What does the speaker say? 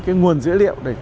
các cơ sở dữ liệu quốc gia